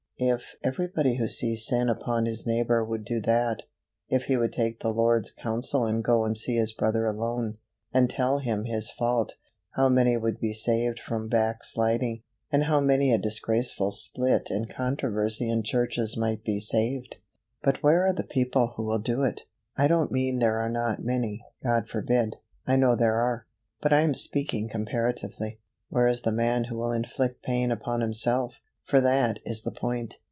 If everybody who sees sin upon his neighbor would do that if he would take the Lord's counsel and go and see his brother alone, and tell him his fault how many would be saved from backsliding, and how many a disgraceful split and controversy in churches might be saved! But where are the people who will do it? I don't mean there are not any God forbid I know there are; but I am speaking comparatively. Where is the man who will inflict pain upon himself? for that is the point.